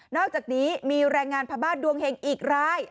อกจากนี้มีแรงงานพม่าดวงเห็งอีกราย